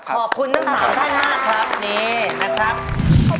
ขอบคุณทั้ง๓ท่านมากครับนี่นะครับ